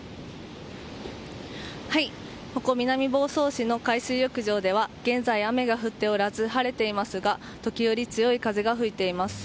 ここ南房総市の海水浴場では現在、雨が降っておらず晴れていますが時折、強い風が吹いています。